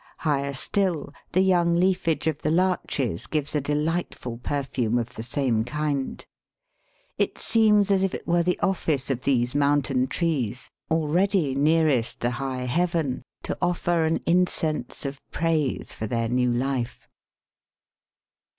Higher still the young leafage of the larches gives a delightful perfume of the same kind. It seems as if it were the office of these mountain trees, already nearest the high heaven, to offer an incense of praise for their new life.